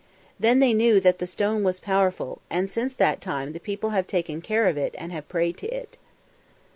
Then they knew that the stone was powerful, and since that time the people have taken care of it and have prayed to it.